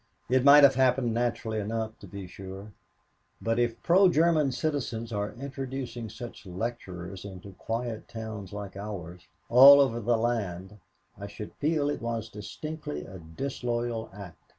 It might have happened naturally enough, to be sure. But if pro German citizens are introducing such lecturers into quiet towns like ours, all over the land, I should feel it was distinctly a disloyal act.